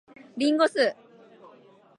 林檎酢